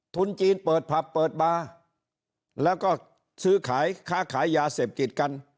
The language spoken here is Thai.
ทุนจีนเปิดผับเปิดบาร์แล้วก็ซื้อขายค้าขายยาเสพติดกัน